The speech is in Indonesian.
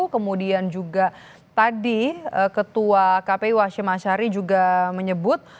kemudian juga tadi ketua kpi washim ashari juga menyebut